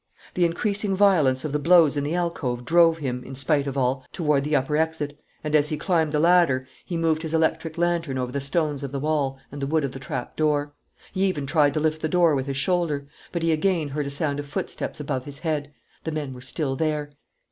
The increasing violence of the blows in the alcove drove him, in spite of all, toward the upper exit; and, as he climbed the ladder, he moved his electric lantern over the stones of the wall and the wood of the trapdoor. He even tried to lift the door with his shoulder. But he again heard a sound of footsteps above his head. The men were still there.